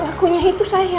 pelakunya itu saya